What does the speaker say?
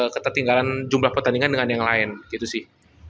ketertinggalan jumlah pertandingan dengan yang lain gitu sih